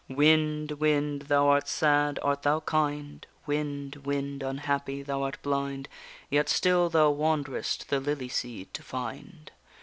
_Wind, wind! thou art sad, art thou kind? Wind, wind, unhappy! thou art blind, Yet still thou wanderest the lily seed to find.